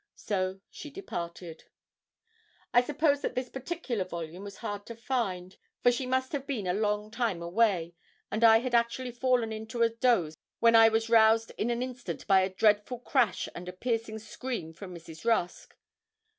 So she departed. I suppose that this particular volume was hard to find, for she must have been a long time away, and I had actually fallen into a doze when I was roused in an instant by a dreadful crash and a piercing scream from Mrs. Rusk.